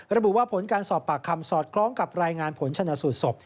ระบุว่าผลการสอบปากคำสอดคล้องกับรายงานผลชนะสูตรศพ